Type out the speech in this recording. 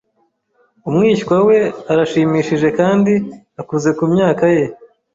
Umwishywa we arashimishije kandi akuze kumyaka ye.